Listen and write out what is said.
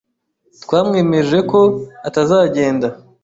Twamwemeje ko atazagenda.